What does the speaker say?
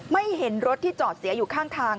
ไม่เห็นรถที่จอดเสียอยู่ข้างทาง